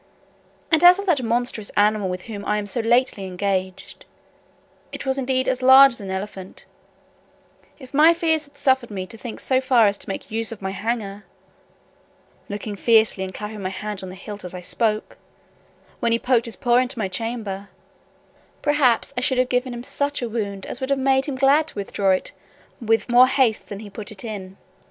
And as for that monstrous animal with whom I was so lately engaged (it was indeed as large as an elephant), if my fears had suffered me to think so far as to make use of my hanger," (looking fiercely, and clapping my hand on the hilt, as I spoke) "when he poked his paw into my chamber, perhaps I should have given him such a wound, as would have made him glad to withdraw it with more haste than he put it in."